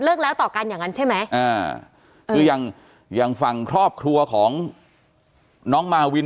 เลิกแล้วต่อกันอย่างนั้นใช่ไหมคือยังฟังครอบครัวของน้องมาวิน